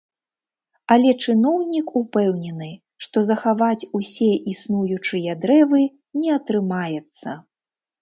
Але чыноўнік упэўнены, што захаваць усе існуючыя дрэвы не атрымаецца.